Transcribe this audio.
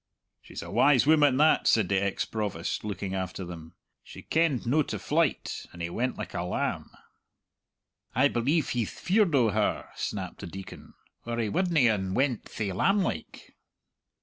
"She's a wise woman that," said the ex Provost, looking after them. "She kenned no to flyte, and he went like a lamb." "I believe he'th feared o' her," snapped the Deacon, "or he wudny un went thae lamb like!"